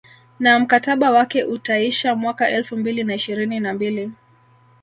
Na mkataba wake utaisha mwaka elfu mbili na ishirini na mbili